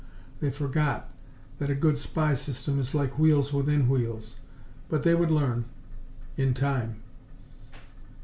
They forgot that a good spy system is like wheels within wheels. But they would learn in time.